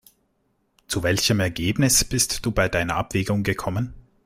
Zu welchem Ergebnis bist du bei deiner Abwägung gekommen?